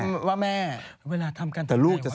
นี่อากาศ